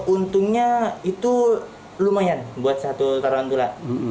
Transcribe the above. untungnya itu lumayan buat satu tarantula